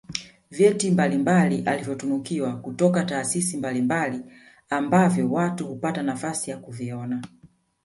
vyeti mbalimbali alivyotunikiwa kutoka taasisi mbalimbali ambavyo watu hupata nafasi ya kuviona